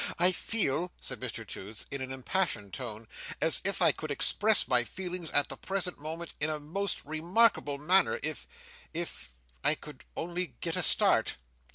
I feel," said Mr Toots, in an impassioned tone, "as if I could express my feelings, at the present moment, in a most remarkable manner, if—if—I could only get a start."